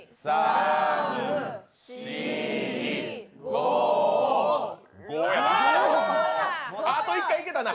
５や、あと１回いけたな。